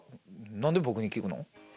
何で僕に聞くの？